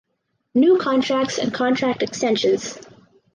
New contracts and contract extensions.